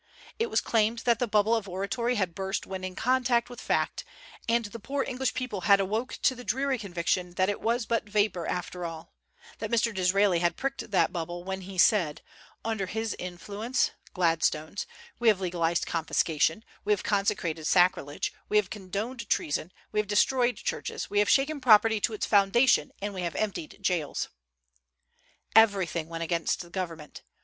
It was claimed that the bubble of oratory had burst when in contact with fact, and the poor English people had awoke to the dreary conviction that it was but vapor after all; that Mr. Disraeli had pricked that bubble when he said, "Under his influence [Gladstone's] we have legalized confiscation, we have consecrated sacrilege, we have condoned treason, we have destroyed churches, we have shaken property to its foundation, and we have emptied jails." Everything went against the government.